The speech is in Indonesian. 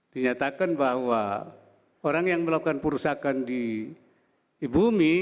dinyatakan bahwa orang yang melakukan perusahaan di bumi